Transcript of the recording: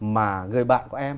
mà người bạn của em